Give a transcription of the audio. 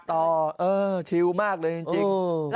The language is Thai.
เออชิลมากเลยจริง